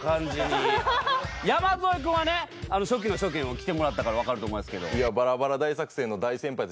山添君はね初期の初期にも来てもらったからわかると思いますけど。